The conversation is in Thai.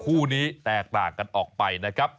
คู่นี้แตกต่างกันออกไปนะครับ